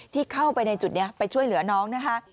ที่เข้าไปในจุดนี้ไปช่วยเหลือน้องนะคะ